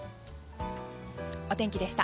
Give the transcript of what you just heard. お天気でした。